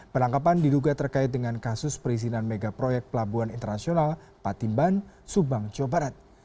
penangkapan diduga terkait dengan kasus perizinan megaproyek pelabuhan internasional patimban subang jawa barat